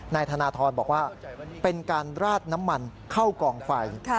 นายธนทรบอกว่าเป็นการราดน้ำมันเข้ากองไฟ